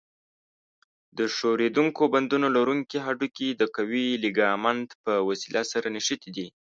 د ښورېدونکو بندونو لرونکي هډوکي د قوي لیګامنت په وسیله سره نښتي دي.